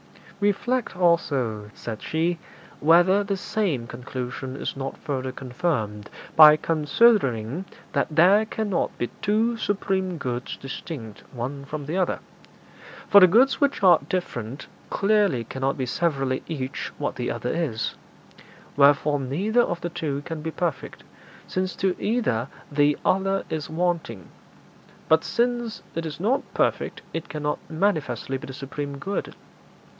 'Reflect, also,' said she, 'whether the same conclusion is not further confirmed by considering that there cannot be two supreme goods distinct one from the other. For the goods which are different clearly cannot be severally each what the other is: wherefore neither of the two can be perfect, since to either the other is wanting; but since it is not perfect, it cannot manifestly be the supreme good.